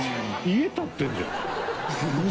家立ってんじゃん。